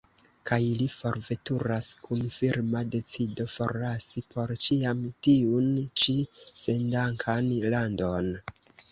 Kaj li forveturas, kun firma decido forlasi por ĉiam tiun ĉi sendankan landon.